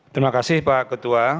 terima kasih pak ketua